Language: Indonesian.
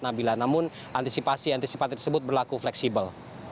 namun antisipasi antisipasi tersebut berlaku fleksibel